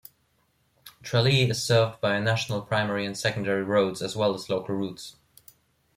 Tralee is served by National Primary and Secondary roads as well as local routes.